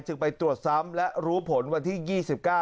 ไปตรวจซ้ำและรู้ผลวันที่๒๙